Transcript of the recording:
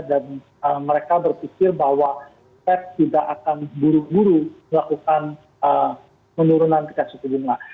dan mereka berpikir bahwa pep tidak akan buru buru melakukan penurunan kita sepuluh juta